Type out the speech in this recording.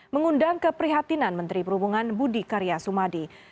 mengundang keprihatinan menteri perhubungan budi karya sumadi